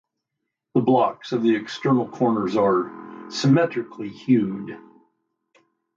The blocks of the external corners are "symmetrically hewed".